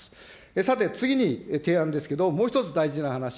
さて、次に提案ですけど、もう一つ大事な話。